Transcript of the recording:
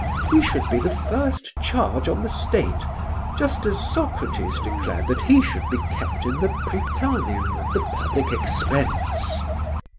We should be the first charge on the state just as Socrates declared that he should be kept in the Prytaneum at the public expense.